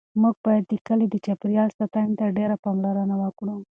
موږ باید د کلي د چاپیریال ساتنې ته ډېره پاملرنه وکړو.